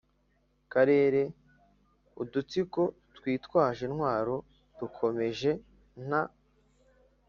karere udutsiko twitwaje intwaro dukomeje, nta